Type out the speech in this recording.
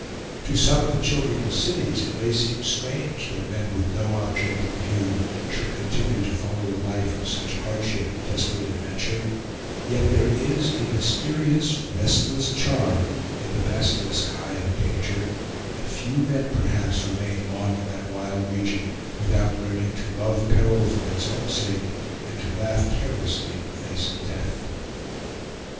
To some of the children of cities it may seem strange that men with no object in view should continue to follow a life of such hardship and desperate adventure; yet there is a mysterious, restless charm in the basilisk eye of danger, and few men perhaps remain long in that wild region without learning to love peril for its own sake, and to laugh carelessly in the face of death.